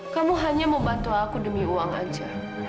kamu hanya mau bantu aku demi uang aja